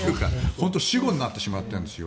本当に死語になってしまってるんです。